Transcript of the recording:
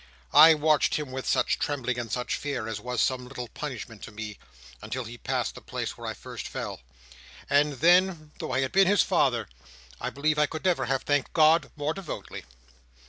"I watched him with such trembling and such fear, as was some little punishment to me, until he passed the place where I first fell; and then, though I had been his father, I believe I never could have thanked God more devoutly.